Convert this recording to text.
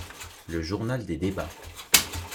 Le Journal des Débats.